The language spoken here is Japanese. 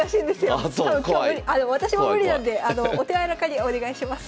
私も無理なんでお手柔らかにお願いします。